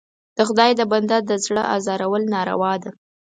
د خدای د بنده د زړه ازارول ناروا ده.